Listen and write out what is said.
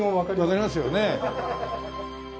わかりますよね。